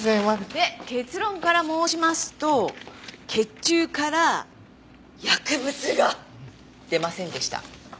で結論から申しますと血中から薬物が出ませんでした。